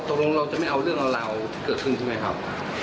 เราจะไม่เอาเรื่องราวเกิดขึ้นใช่ไหมครับ